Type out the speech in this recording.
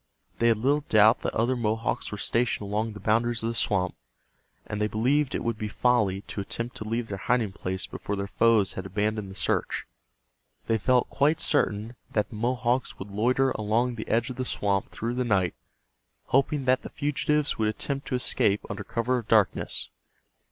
They had little doubt that other Mohawks were stationed along the boundaries of the swamp, and they believed it would be folly to attempt to leave their hiding place before their foes had abandoned the search. They felt quite certain that the Mohawks would loiter along the edge of the swamp through the night, hoping that the fugitives would attempt to escape under cover of darkness.